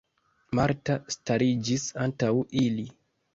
Marta stariĝis antaŭ ili.